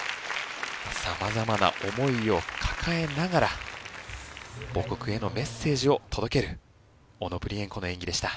様々な思いを抱えながら母国へのメッセージを届けるオノプリエンコの演技でした。